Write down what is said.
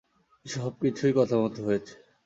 সবকিছুই কথামতো হয়েছে।